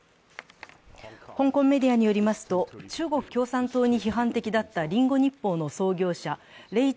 香港メディアによりますと中国共産党に批判的だった「リンゴ日報」の創業者・黎智